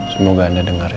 semoga anda dengar